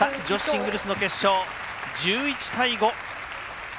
女子シングルスの決勝、１１対５。